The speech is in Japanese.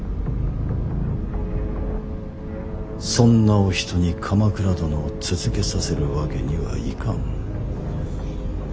そんなお人に鎌倉殿を続けさせるわけにはいかん。